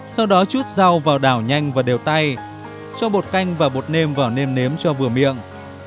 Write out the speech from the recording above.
sau đó chút rau vào đảo nhanh và đều tay cho bột canh và bột nêm vào nêm nếm cho vừa miệng